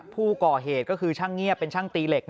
ผู้ก่อเหตุก็คือช่างเงียบเป็นช่างตีเหล็ก